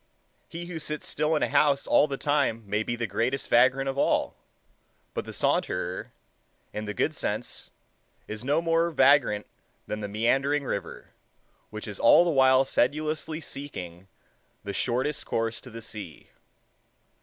He who sits still in a house all the time may be the greatest vagrant of all; but the saunterer, in the good sense, is no more vagrant than the meandering river, which is all the while sedulously seeking the shortest course to the sea.